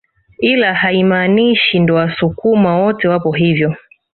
Ila haimaanishi ndo wasukuma wote wapo hivyo